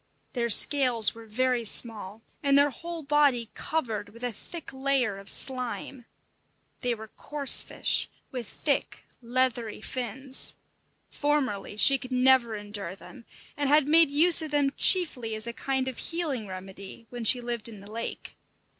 Their scales were very small, and their whole body covered with a thick layer of slime. They were coarse fish, with thick, leathery fins. Formerly she could never endure them, and had made use of them chiefly as a kind of healing remedy when she lived in the lake.